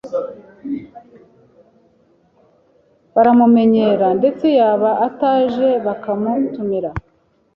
Baramumenyera, ndetse yaba ataje bakamutumira